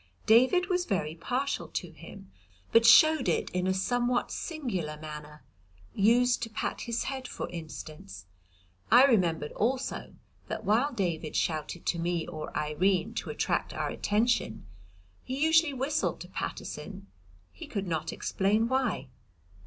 David was very partial to him, but showed it in a somewhat singular manner, used to pat his head, for instance. I remembered, also, that while David shouted to me or Irene to attract our attention, he usually whistled to Paterson, he could not explain why.